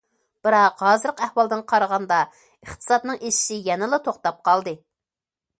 بىراق، ھازىرقى ئەھۋالىدىن قارىغاندا، ئىقتىسادنىڭ ئېشىشى يەنىلا توختاپ قالدى.